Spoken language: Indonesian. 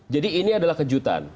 jadi ini adalah kejutan